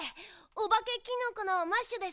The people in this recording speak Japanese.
おばけキノコのマッシュです。